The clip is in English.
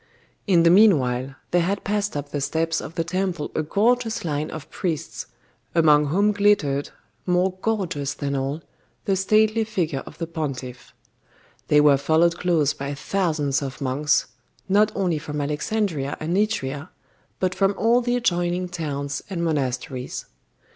In the meanwhile, there had passed up the steps of the Temple a gorgeous line of priests, among whom glittered, more gorgeous than all, the stately figure of the pontiff. They were followed close by thousands of monks, not only from Alexandria and Nitria, but from all the adjoining towns and monasteries.